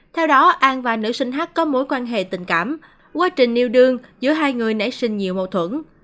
theo đó an và nữ sinh h có mối quan hệ tình cảm quá trình nêu đường giữa hai người nảy sinh nhiều mâu thuẫn